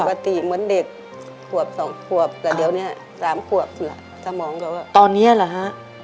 เหมือนเด็กขวบสองขวบแต่เดี๋ยวนี้๓ขวบสมองเราตอนนี้เหรอฮะ